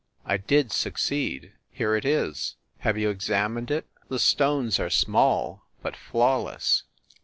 I did succeed. Here it is! Have you examined it? The stones are small, but flawless.